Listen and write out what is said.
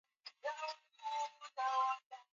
Watu ambao walifika walikuwa wangapi?